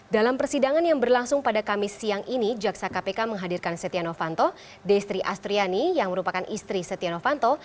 dalam persidangan yang berlangsung pada kamis siang ini jaksa kpk menghadirkan setia novanto destri astriani yang merupakan istri setia novanto